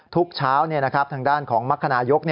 เป็นกุศลคนเดียวทุกเช้าทางด้านของมรรคนายก